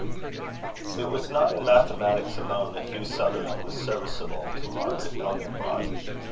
It was not in mathematics alone that Hugh Sutherland was serviceable to Margaret Elginbrod.